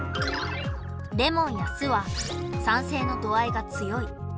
レモンや酢は酸性の度合いが強い。